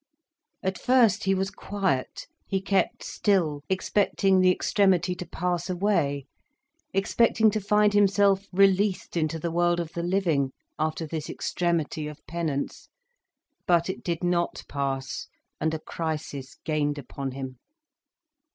At first he was quiet, he kept still, expecting the extremity to pass away, expecting to find himself released into the world of the living, after this extremity of penance. But it did not pass, and a crisis gained upon him.